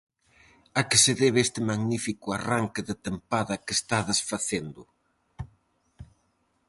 A que se debe este magnífico arranque de tempada que estades facendo?